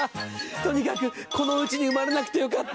とにかくこの家に生まれなくてよかった。